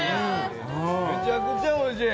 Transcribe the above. めちゃくちゃおいしい！